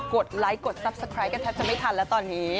กดไลค์กดซับสไครบ์กระทับจะไม่ทันแล้วตอนนี้